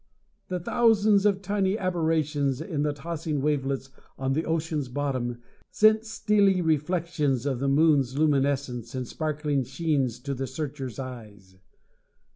The thousands of tiny aberrations in the tossing wavelets on the ocean's bottom sent steely reflection of the moon's luminescence in sparkling sheens to the Searcher's eyes.